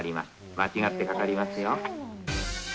間違ってかかりますよ。